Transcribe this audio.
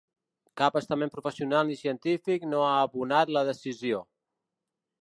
Cap estament professional ni científic no ha abonat la decisió.